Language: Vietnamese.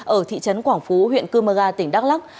ở thị trấn quảng phú huyện cư mơ ga tỉnh đắk lắc